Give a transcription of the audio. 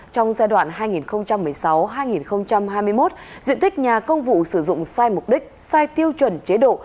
trong giai đoạn hai nghìn một mươi sáu hai nghìn hai mươi một diện tích nhà công vụ sử dụng sai mục đích sai tiêu chuẩn chế độ